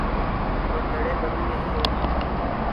اور دھڑے بندی نہیں ہو گی۔